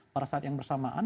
pada saat yang bersamaan